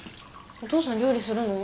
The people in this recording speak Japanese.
お父さん料理するの？